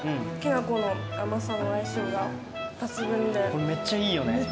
これめっちゃいいよね。